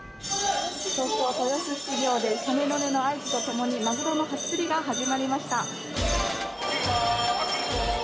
東京・豊洲市場で鐘の音の合図とともにマグロの初競りが始まりました。